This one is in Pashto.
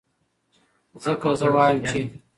ځکه زۀ وائم چې